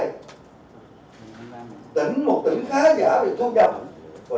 tỉnh quảng nam đà nẵng quảng ngãi thành vực tên trưởng mới có chức lo tỏa